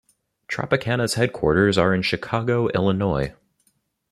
Tropicana's headquarters are in Chicago, Illinois.